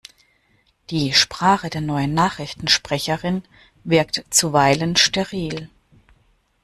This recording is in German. Die Sprache der neuen Nachrichtensprecherin wirkt zuweilen steril.